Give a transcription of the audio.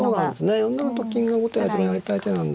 ４七と金が後手が一番やりたい手なんで。